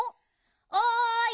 おい！